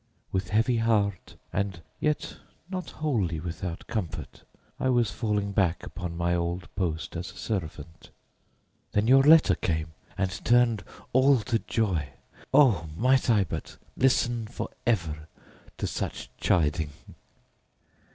With heavy heart, and yet not wholly without comfort, I was falling back upon my old post as servant; then your letter came and turned all to joy. Oh! might I but listen for ever to such chiding!